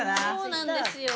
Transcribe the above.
そうなんですよ。